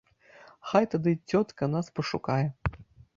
Хай тады цётка нас пашукае.